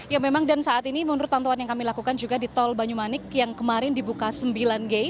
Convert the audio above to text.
ya memang dan saat ini menurut pantauan yang kami lakukan juga di tol banyumanik yang kemarin dibuka sembilan gay